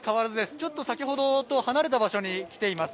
ちょっと先ほどと離れた場所に来ています。